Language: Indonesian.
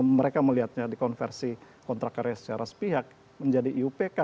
mereka melihatnya dikonversi kontrak karya secara sepihak menjadi iupk